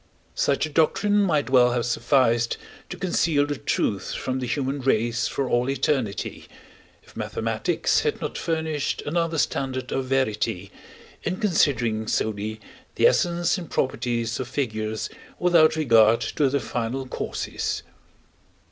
Such a doctrine might well have sufficed to conceal the truth from the human race for all eternity, if mathematics had not furnished another standard of verity in considering solely the essence and properties of figures without regard to their final causes.